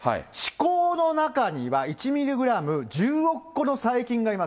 歯こうの中には１ミリグラム１０億個の細菌がいます。